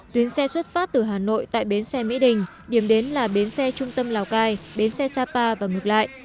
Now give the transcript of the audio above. tuyến xe xuất phát từ hà nội tại bến xe mỹ đình điểm đến là bến xe trung tâm lào cai bến xe sapa và ngược lại